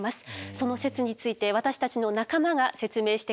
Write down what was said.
その説について私たちの仲間が説明してくれます。